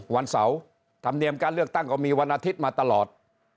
วันเสาร์ธรรมเนียมการเลือกตั้งก็มีวันอาทิตย์มาตลอด